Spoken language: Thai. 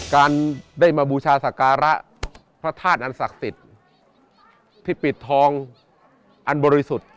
การได้มาบูชาศักระพระธาตุอันศักดิ์สิทธิ์ที่ปิดทองอันบริสุทธิ์